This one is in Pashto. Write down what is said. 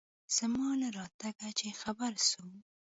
زما له راتگه چې خبر سو.